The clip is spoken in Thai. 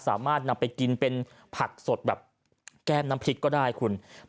สามารถนำไปกินเป็นผักสดแบบแก้มน้ำพริกก็ได้คุณ